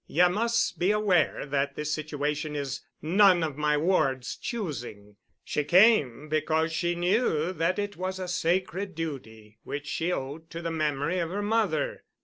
Ye must be aware that this situation is none of my ward's choosing. She came because she knew that it was a sacred duty which she owed to the memory of her mother.